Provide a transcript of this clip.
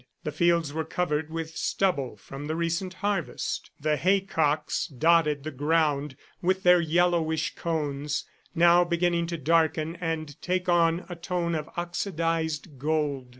The fields were covered with stubble from the recent harvest. The haycocks dotted the ground with their yellowish cones, now beginning to darken and take on a tone of oxidized gold.